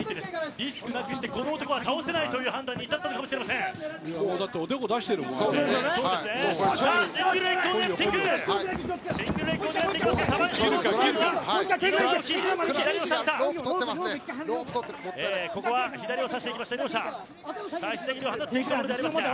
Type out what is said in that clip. リスクなくしてこの男は倒せないという判断にだって、おでこ出してるもんね。